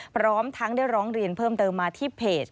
พร้อมทั้งได้ร้องเรียนเพิ่มเติมมาที่เพจ